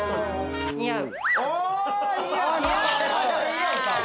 似合う。